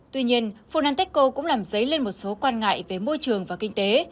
tuy nhiên funanteco cũng làm dấy lên một số quan ngại về môi trường và kinh tế